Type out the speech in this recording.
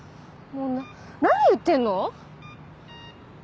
もう何言ってんの？